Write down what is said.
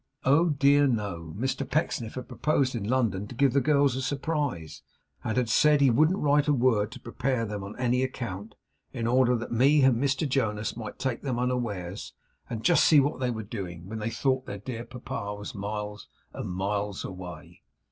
They were not expected oh dear, no! Mr Pecksniff had proposed in London to give the girls a surprise, and had said he wouldn't write a word to prepare them on any account, in order that he and Mr Jonas might take them unawares, and just see what they were doing, when they thought their dear papa was miles and miles away.